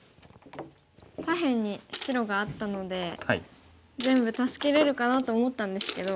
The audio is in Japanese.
左辺に白があったので全部助けれるかなと思ったんですけど。